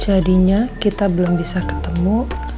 jadinya kita belum bisa ketemu